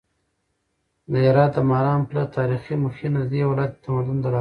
د هرات د مالان پله تاریخي مخینه د دې ولایت په تمدن دلالت کوي.